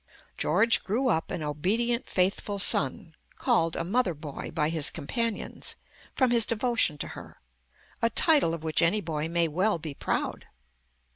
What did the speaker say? George grew up an obedient, faithful son, called a "mother boy" by his companions, from his devotion to her, a title of which any boy may well be proud.